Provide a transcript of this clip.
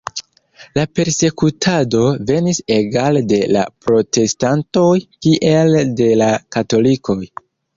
La persekutado venis egale de la protestantoj, kiel de la katolikoj.